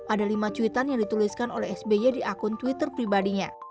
ada lima cuitan yang dituliskan oleh sby di akun twitter pribadinya